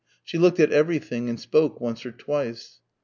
She looked at everything and spoke once or twice.